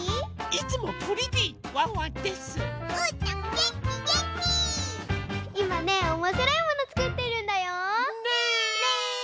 いまねおもしろいものつくってるんだよ。ね！